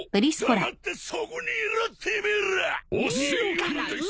黙ってそこにいろてめえら！お仕置き！